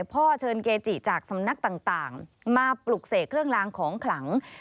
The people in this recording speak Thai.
พ่อเชิญเกจิจากสำนักต่างมาปลุกเสกเครื่องลางของขลัง